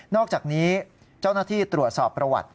อกจากนี้เจ้าหน้าที่ตรวจสอบประวัติ